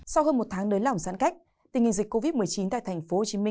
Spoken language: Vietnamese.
sau hơn một tháng nới lỏng giãn cách tình hình dịch covid một mươi chín tại tp hcm